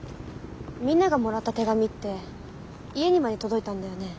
みんながもらった手紙って家にまで届いたんだよね？